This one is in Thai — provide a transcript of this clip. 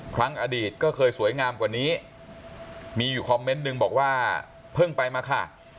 ครั้งอดีตก็เคยสวยงามกว่านี้มีอยู่คอมเมนต์หนึ่งบอกว่าเพิ่งไปมาค่ะ